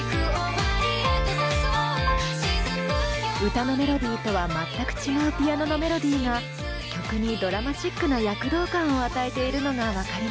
歌のメロディーとは全く違うピアノのメロディーが曲にドラマチックな躍動感を与えているのが分かりますね。